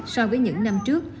so với những năm trước